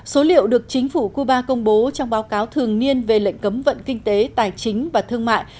số liệu được chính phủ cuba công bố trong báo cáo thường niên về lệnh cấm vận kinh tế tài chính và thương mại